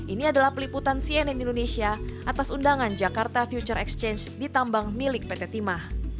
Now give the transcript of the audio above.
ini adalah peliputan cnn indonesia atas undangan jakarta future exchange di tambang milik pt timah